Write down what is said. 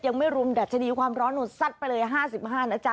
ยังไม่รุมดัชนีความร้อนหนูซัดไปเลย๕๕นะจ๊